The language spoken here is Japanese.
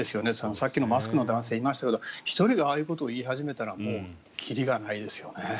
さっきのマスクの男性いましたけど１人がああいうことを言い始めたらもうキリがないですよね。